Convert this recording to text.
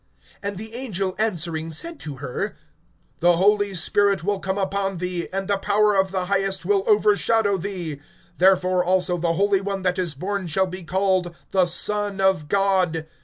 (35)And the angel answering said to her: The Holy Spirit will come upon thee, and the power of the Highest will overshadow thee; therefore also the Holy One that is born shall be called the Son of God.